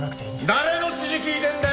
誰の指示聞いてんだよ！？